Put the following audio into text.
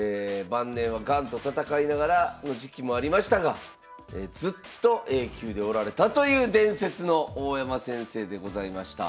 晩年はガンと闘いながらの時期もありましたがずっとＡ級でおられたという伝説の大山先生でございました。